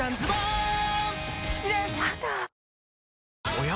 おや？